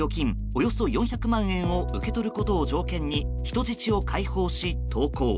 およそ４００万円を受け取ることを条件に人質を解放し投降。